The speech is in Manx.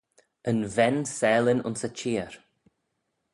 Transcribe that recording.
Yn ven s'aalin ayns y cheer.